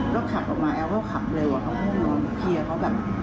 ก็ขับออกมาแอลเขาก็ขับเร็วเขาก็พร้อมเคลียร์เขาแบบ